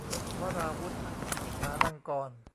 วราวุธ ฐานังกรณ์